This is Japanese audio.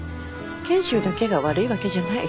賢秀だけが悪いわけじゃない。